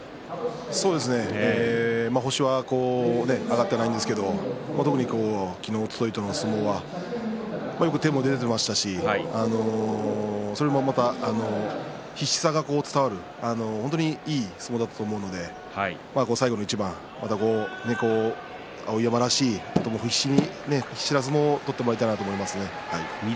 そうですね星は挙がってないんですが昨日、おとといの相撲はよく手も出てましたし必死さが伝わるいい相撲だったと思うので最後の一番、碧山らしい必死の相撲を取ってもらいたいと思い翠